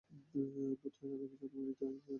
বোধ হয়, আগামী জানুআরী বা ফেব্রুআরীতে লণ্ডন যাইব।